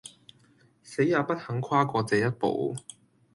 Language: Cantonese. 死也不肯跨過這一步。